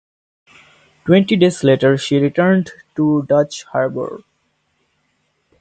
Twenty days later, she returned to Dutch Harbor.